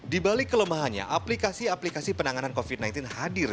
di balik kelemahannya aplikasi aplikasi penanganan covid sembilan belas hadir